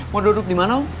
mau duduk di mana